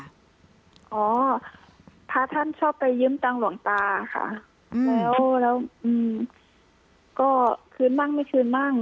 อ๋อพระท่านชอบไปยืมตังค์หลวงตาค่ะแล้วแล้วก็คืนบ้างไม่คืนบ้าง